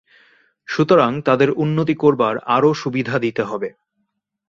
সুতরাং তাদের উন্নতি করবার আরও সুবিধা দিতে হবে।